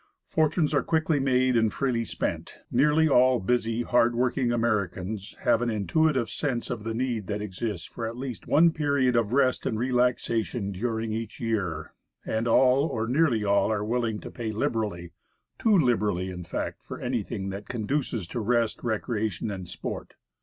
Fortunes are quickly made and freely spent. Nearly all busy, hard worked Americans have an intuitive sense of the need that exists for at least one period of rest and relaxation during each year, and all or nearly all are willing to pay liberally, too liberally in fact, for anything that conduces to rest, recreation and sport.